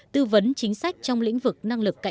tư vấn chính sách trong lĩnh vực năng lực cạnh tranh